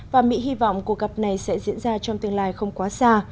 và mỹ hy vọng cuộc gặp này sẽ diễn ra trong tương lai không quá xa